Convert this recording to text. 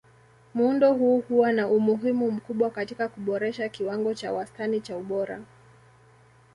Muundo huu huwa na umuhimu mkubwa katika kuboresha kiwango cha wastani cha ubora.